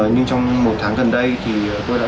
nhưng trong một tháng gần đây thì tôi đã